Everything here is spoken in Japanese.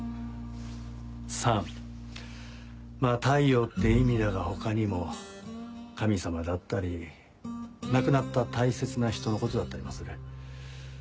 Ｓｕｎ太陽って意味だが他にも神様だったり亡くなった大切な人のことだったりもする。